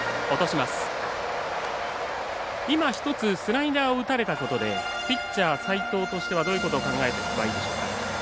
今１つスライダーを打たれたことでピッチャー、齋藤としてはどういうことを考えてここは、いくでしょうか？